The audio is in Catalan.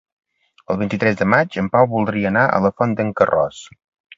El vint-i-tres de maig en Pau voldria anar a la Font d'en Carròs.